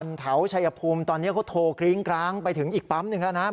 แถวชายภูมิตอนนี้เขาโทรกริ้งกร้างไปถึงอีกปั๊มหนึ่งแล้วนะครับ